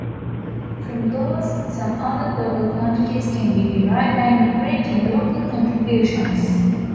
From those, some other global quantities can be derived by integrating local contributions.